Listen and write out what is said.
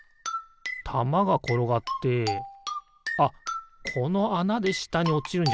たまがころがってあっこのあなでしたにおちるんじゃないかな？